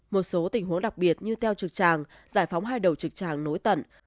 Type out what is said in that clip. một số tình huống đặc biệt như teo trực tràng giải phóng hai đầu trực tràng nối tận